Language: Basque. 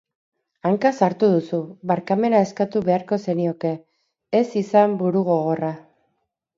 Hanka sartu duzu, barkamena eskatu beharko zenioke, ez izan burugogorra.